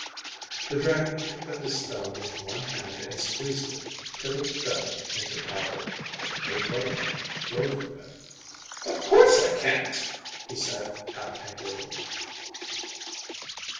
The dragon picked up his stone with one hand, and squeezed it till it fell into powder, but no buttermilk flowed from it. 'Of course I can't!' he said, half angrily.